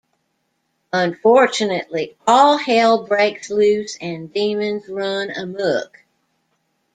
Unfortunately, all hell breaks loose and demons run amok.